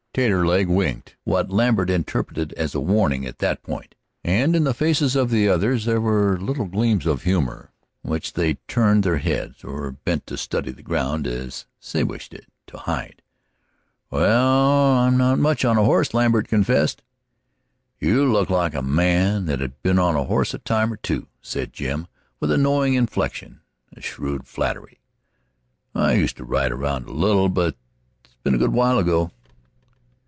Taterleg winked what Lambert interpreted as a warning at that point, and in the faces of the others there were little gleams of humor, which they turned their heads, or bent to study the ground, as Siwash did, to hide. "Well, I'm not much on a horse," Lambert confessed. "You look like a man that'd been on a horse a time or two," said Jim, with a knowing inflection, a shrewd flattery. "I used to ride around a little, but that's been a good while ago."